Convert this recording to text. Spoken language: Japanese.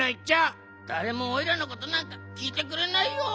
だれもおいらのことなんかきいてくれないよ！